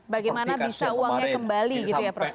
bagaimana bisa uangnya kembali gitu ya prof